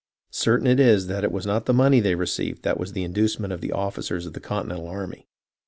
Certain it is that it was not the money they received that was the inducement of the officers of the Continental army.